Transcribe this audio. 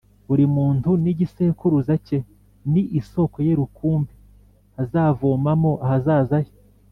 Buri muntu n’igisekuruza cye ni isoko ye rukumbi azavomamo ahazaza he